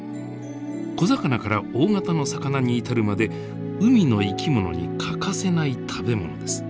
小魚から大型の魚に至るまで海の生き物に欠かせない食べ物です。